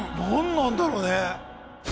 何なんだろうね。